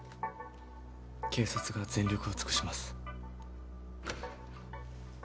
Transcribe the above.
警察が全力を尽くします。